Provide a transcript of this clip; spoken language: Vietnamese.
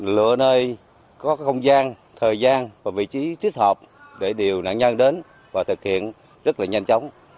lựa nơi có không gian thời gian và vị trí thích hợp để điều nạn nhân đến và thực hiện rất là nhanh chóng